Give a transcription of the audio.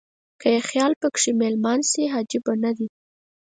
که یې خیال په کې مېلمان شي عجب نه دی.